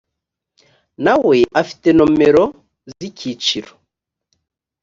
nawe afite nomero z’icyiciro